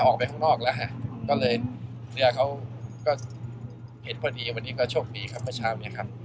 ออกไปข้างนอกแล้วฮะก็เลยเนี่ยเขาก็เห็นพอดีวันนี้ก็โชคดีครับเมื่อเช้านี้ครับ